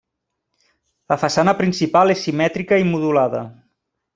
La façana principal és simètrica i modulada.